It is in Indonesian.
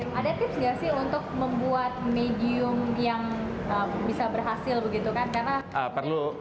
gimana tipsnya sih untuk membuat medium yang bisa berhasil begitu kan